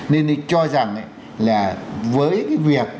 nên tôi cho rằng là với cái việc